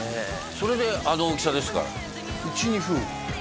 それであの大きさですから１２分？